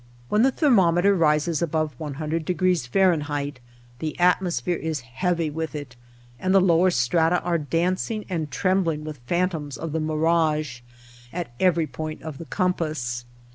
When the ther mometer rises above 100° F., the atmosphere is heavy with it, and the lower strata are dancing and trembling with phantoms of the mirage at every point of the compass.